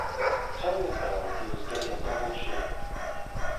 Telling a fellow he was getting a double chin!